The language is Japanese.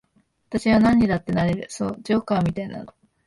私はなんにだってなれる、そう、ジョーカーみたいなの。